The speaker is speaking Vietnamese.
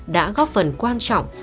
đã góp phần quan trọng